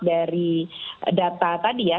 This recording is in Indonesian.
dari data tadi ya